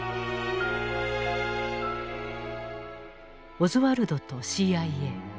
オズワルドとＣＩＡ。